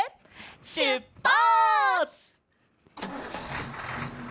しゅっぱつ！